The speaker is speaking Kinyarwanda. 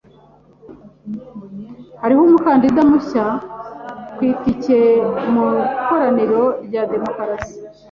Hariho umukandida mushya ku itike mu ikoraniro rya demokarasi.